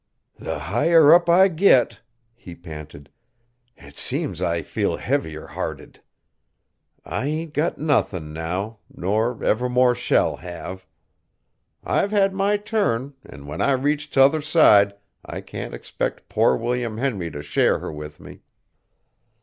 "The higher up I git," he panted, "it seems I feel heavier hearted. I ain't got nothin' now, nor ever more shall have. I've had my turn, an' when I reach t' other side I can't expect poor William Henry t' share her with me.